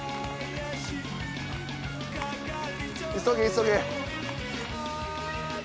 急げ急げ。